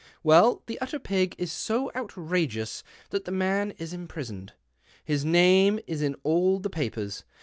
Well, the utter pig is so out rageous that the man is imprisoned. His name is in all the papers.